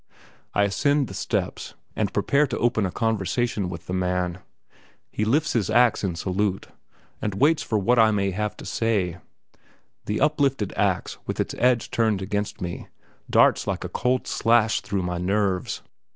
I ascend the steps, and prepare to open a conversation with the man. He lifts his ax in salute, and waits for what I may have to say. The uplifted ax, with its edge turned against me, darts like a cold slash through my nerves.